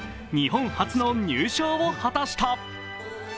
日本初の入賞を果たした。